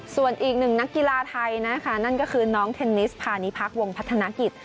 ส่วนอีกหนึ่งนักกีฬาไทยนะคะนั่นก็คือน้องเทนนิสพาณิพักษวงพัฒนากิจ